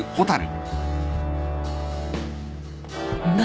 何？